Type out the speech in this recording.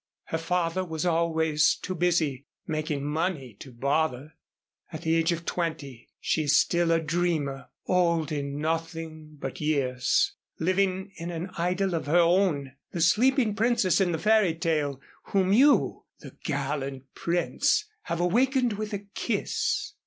Her father was always too busy making money to bother. At the age of twenty she is still a dreamer, old in nothing but years, living in an idyl of her own, the sleeping princess in the fairy tale whom you, the gallant prince, have awakened with a kiss."